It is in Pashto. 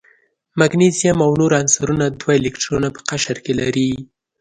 مګنیزیم او نور عنصرونه دوه الکترونه په قشر کې لري.